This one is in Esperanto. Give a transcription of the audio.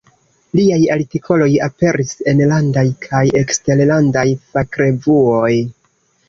Liaj artikoloj aperis enlandaj kaj eksterlandaj fakrevuoj.